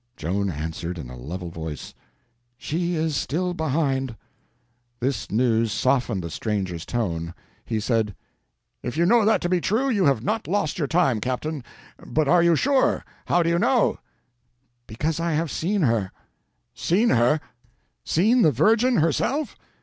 Joan answered in a level voice: "She is still behind." This news softened the stranger's tone. He said: "If you know that to be true, you have not lost your time, Captain. But are you sure? How do you know?" "Because I have seen her." "Seen her! Seen the Virgin herself?"